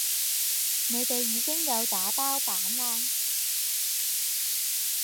你哋已經有打包版啦